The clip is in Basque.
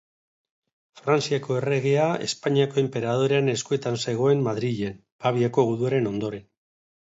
Frantziako erregea Espainiako enperadorearen eskuetan zegoen Madrilen, Paviako guduaren ondoren.